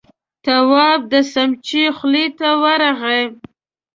تواب د سمڅې خولې ته ورغی.